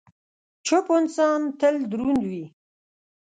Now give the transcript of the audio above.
چپ انسان، تل دروند وي.